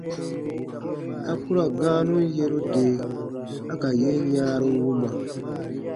A ku ra gãanun yeru de a ka yen yãaru wuma.